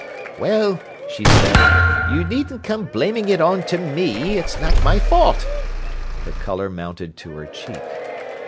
"Well," she said, "you needn't come blaming it on to me. It's not my fault." Her colour mounted to her cheek.